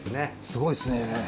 すごいですね。